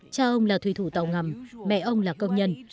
cha ông là thủy thủ tàu ngầm mẹ ông là công nhân